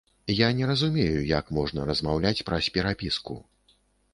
Я не разумею, як можна размаўляць праз перапіску.